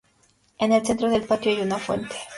En el centro del patio hay una fuente.